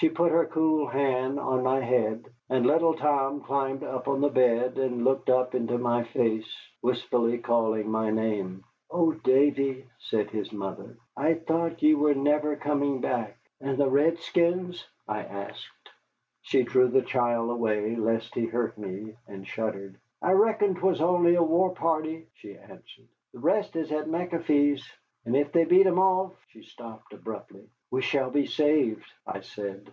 She put her cool hand on my head, and little Tom climbed up on the bed and looked up into my face, wistfully calling my name. "Oh, Davy," said his mother, "I thought ye were never coming back." "And the redskins?" I asked. She drew the child away, lest he hurt me, and shuddered. "I reckon 'twas only a war party," she answered. "The rest is at McAfee's. And if they beat 'em off " she stopped abruptly. "We shall be saved," I said.